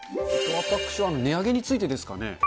私は値上げについてですかね。